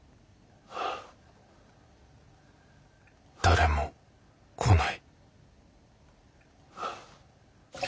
誰も来ない。